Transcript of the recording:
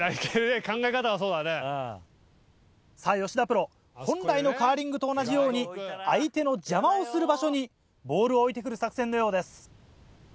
さぁ吉田プロ本来のカーリングと同じように相手の邪魔をする場所にボールを置いてくる作戦のようです。